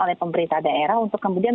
oleh pemerintah daerah untuk kemudian